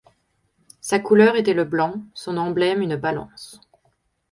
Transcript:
Sa couleur était le blanc, son emblème une balance.